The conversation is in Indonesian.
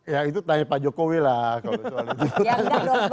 ya itu tanya pak jokowi lah kalau soalnya gitu